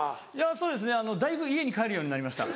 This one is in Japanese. そうですねだいぶ家に帰るようになりました。